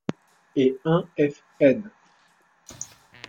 et un f.n.